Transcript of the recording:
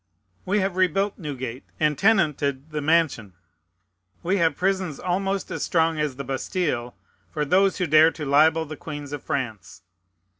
We have rebuilt Newgate, and tenanted the mansion. We have prisons almost as strong as the Bastile, for those who dare to libel the queens of France.